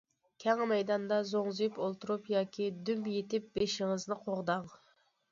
كەڭ مەيداندا زوڭزىيىپ ئولتۇرۇپ ياكى دۈم يېتىپ، بېشىڭىزنى قوغداڭ.